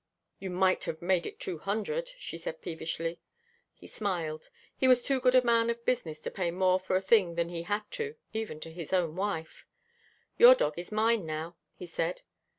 "You might have made it two hundred," she said peevishly. He smiled. He was too good a man of business to pay more for a thing than he had to, even to his own wife. "Your dog is mine now," he said.